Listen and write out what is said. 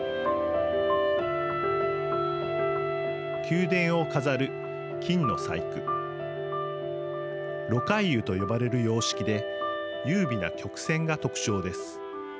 宮殿を飾る金の細工ロカイユと呼ばれる様式で優美な曲線が特徴です。